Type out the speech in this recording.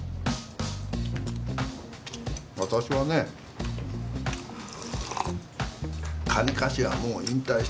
私はね金貸しはもう引退したんだ。